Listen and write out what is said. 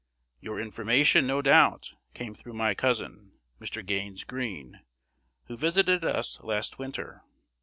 Your information, no doubt, came through my cousin, Mr. Gaines Greene, who visited us last winter.